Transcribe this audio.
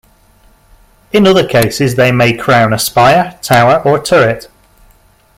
In other cases they may crown a spire, tower, or turret.